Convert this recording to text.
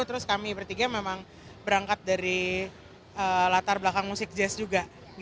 terus kami bertiga memang berangkat dari latar belakang musik jazz juga